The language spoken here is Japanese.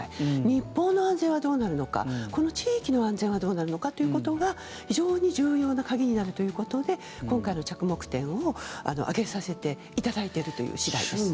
日本の安全はどうなるのかこの地域の安全はどうなるのかということが非常に重要な鍵になるということで今回の着目点を挙げさせていただいているという次第です。